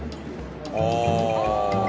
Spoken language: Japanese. ああ。